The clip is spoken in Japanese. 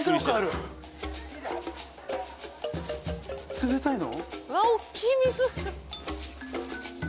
冷たいの？